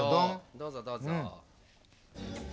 どうぞどうぞ。